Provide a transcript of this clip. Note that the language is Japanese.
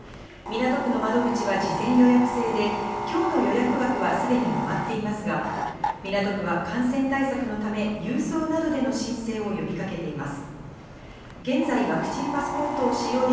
港区の窓口は事前予約制で、今日の予約枠はすでに埋まっていますが、港区は感染対策のため、郵送などでの申請を呼びかけています。